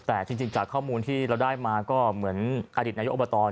แต่จริงจากข้อมูลที่เราได้มาก็เหมือนอดีตนายกอบต